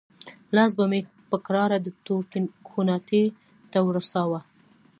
لاس به مې په کراره د تورکي کوناټي ته ورساوه.